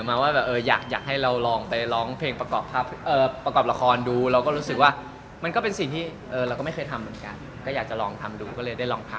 มาว่าแบบเอออยากให้เราลองไปร้องเพลงประกอบละครดูเราก็รู้สึกว่ามันก็เป็นสิ่งที่เราก็ไม่เคยทำเหมือนกันก็อยากจะลองทำดูก็เลยได้ลองทำ